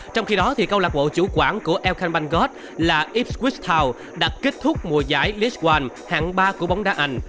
trong khi đó câu lạc bộ chủ quản của elkhan banggot là ipskwistau đã kết thúc mùa giải lichwan hạng ba của bóng đá anh